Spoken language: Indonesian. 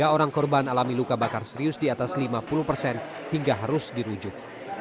tiga orang korban alami luka bakar serius di atas lima puluh persen hingga harus dirujuk